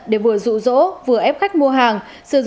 để vừa rụ rỗ vừa ép khách mua hàng